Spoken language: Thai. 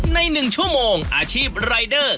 ใน๑ชั่วโมงอาชีพรายเดอร์